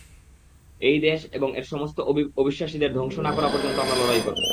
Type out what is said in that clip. এই দেশ এবং এর সমস্ত অবিশ্বাসীদের ধ্বংস না করা পর্যন্ত আমরা লড়াই করব।